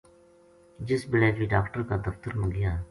جس بِلے ویہ ڈاکٹر کا دفتر ما گیا